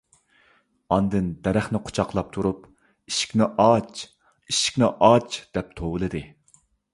ئاندىن دەرەخنى قۇچاقلاپ تۇرۇپ: «ئىشىكنى ئاچ ! ئىشىكنى ئاچ !» دەپ توۋلىدى.